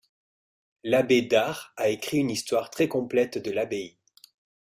L'abbé Dard a écrit une histoire très complète de l'abbaye.